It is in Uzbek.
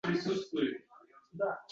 Tasavvurda ko’rardim.